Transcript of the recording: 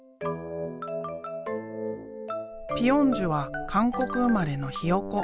ピ・ヨンジュは韓国生まれのヒヨコ。